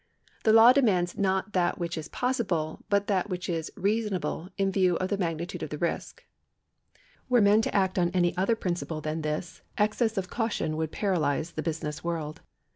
The law demands not that which is possible, but that which is reason able in view of the magnitude of the risk. Were men to act on any other principle than this, excess of caution would paralyse the business of the world.